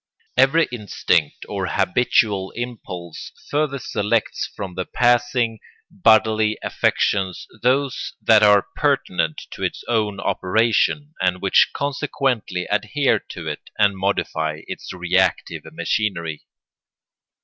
Every instinct or habitual impulse further selects from the passing bodily affections those that are pertinent to its own operation and which consequently adhere to it and modify its reactive machinery.